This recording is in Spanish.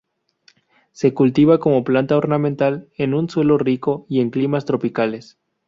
Se cultiva como planta ornamental en un suelo rico y en climas tropicales.